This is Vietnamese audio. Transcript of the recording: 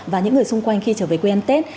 và những người xung quanh khi trở về quê ăn tết